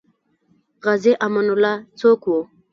غازي امان الله څوک وو؟